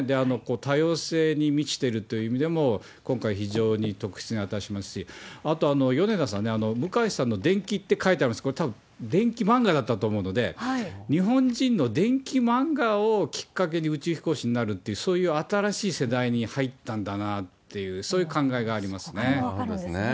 多様性に満ちてるという意味でも、今回、非常に特筆に値しますし、あと、米田さんね、向井さんの伝記って書いてあるんですけれども、これ、たぶん伝記漫画だったと思うので、日本人の伝記漫画をきっかけに宇宙飛行士になるっていう、そういう新しい世代に入ったんだなっていう、それが分かるんですね。